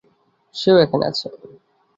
সেও এখানে আছে।